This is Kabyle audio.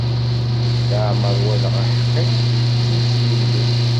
Leɛmer walaɣ aḥeqqi, ittu-t Yillu.